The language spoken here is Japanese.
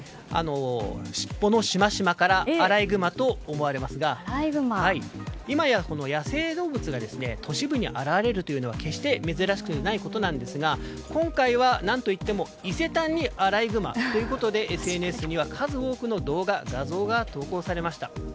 尻尾のしましまからアライグマと思われますが今や、野生動物が都市部に現れるのは決して珍しくないことなんですが今回は、何といっても伊勢丹にアライグマということでＳＮＳには数多くの動画、画像が投稿されました。